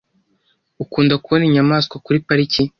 Ukunda kubona inyamaswa kuri pariki?